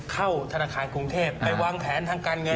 เข้าธนาคารกรุงเทพไปวางแผนทางการเงิน